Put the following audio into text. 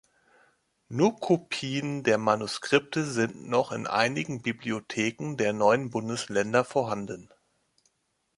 Nur Kopien der Manuskripte sind noch in einigen Bibliotheken der neuen Bundesländer vorhanden.